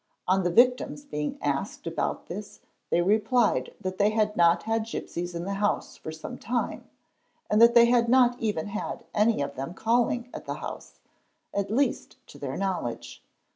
On the victims being asked about this they replied that they had not had gipsies in the house for 'some time and that they had not even had any of them calling at the house—at least to their knowledge.